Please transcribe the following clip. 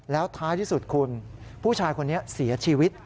แล้วท้ายที่สุดคุณผู้ชายคนนี้เสียชีวิต